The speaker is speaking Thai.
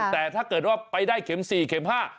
แต่ถ้าเกิดว่าไปได้เข็ม๔เข็ม๕